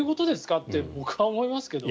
って僕は思いますが。